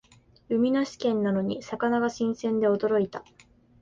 海なし県なのに魚が新鮮で驚いた